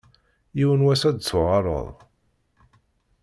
Yiwen n wass ad d-tuɣaleḍ.